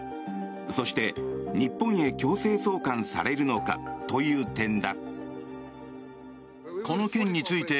そして日本へ強制送還されるのかという点だ。